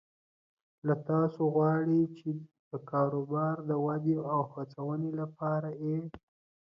له تاسو غواړي چې د کاروبار د ودې او هڅونې لپاره یې